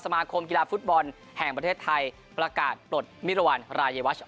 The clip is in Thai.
สมาคมกีฬาฟุตบอลแห่งประเทศไทยประกาศปลดมิรวรรณรายวัช